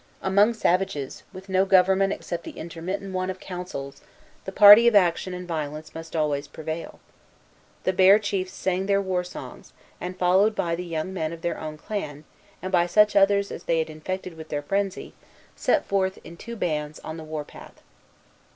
Among savages, with no government except the intermittent one of councils, the party of action and violence must always prevail. The Bear chiefs sang their war songs, and, followed by the young men of their own clan, and by such others as they had infected with their frenzy, set forth, in two bands, on the war path.